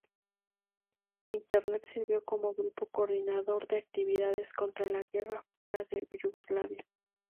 Internet sirvió como grupo coordinador de actividades contra la guerra fuera de Yugoslavia.